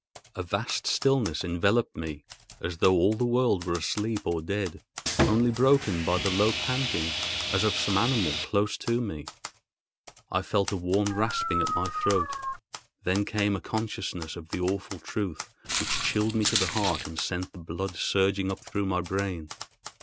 A vast stillness enveloped me, as though all the world were asleep or dead—only broken by the low panting as of some animal close to me. I felt a warm rasping at my throat, then came a consciousness of the awful truth, which chilled me to the heart and sent the blood surging up through my brain.